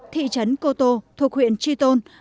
thị trấn cô tô thuộc huyện tri tôn